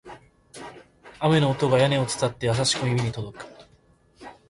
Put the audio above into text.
雨の音が屋根を伝って、優しく耳に届く